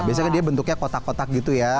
biasanya dia bentuknya kotak kotak gitu ya